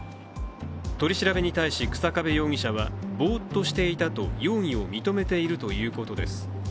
取り調べに対し、日下部容疑者はぼーっとしていたと容疑を認めているということです。